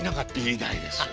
いないです。